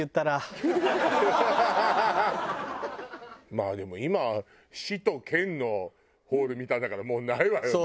まあでも今市と県のホール見たんだからもうないわよね。